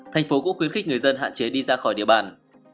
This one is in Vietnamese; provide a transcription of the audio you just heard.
thành phố cũng khuyến khích người dân hạn chế đi ra khỏi địa bàn